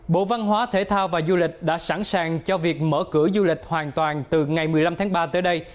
bộ văn hóa thể thao và du lịch đã sẵn sàng cho việc mở cửa du lịch hoàn toàn từ ngày một mươi năm tháng ba tới đây